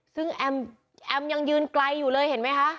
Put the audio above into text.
ซึ่งแอมยังยืนไกลอยู่เลยเห็นไหมคะ